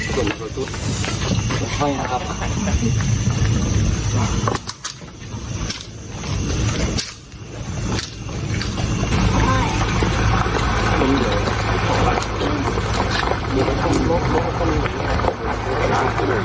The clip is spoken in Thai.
จ้า